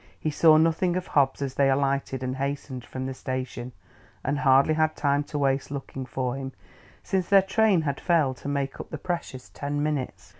He saw nothing of Hobbs as they alighted and hastened from the station, and hardly had time to waste looking for him, since their train had failed to make up the precious ten minutes.